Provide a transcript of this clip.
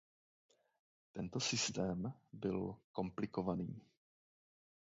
Tento systém byl komplikovaný.